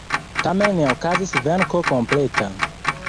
Tamen ne okazis venko kompleta.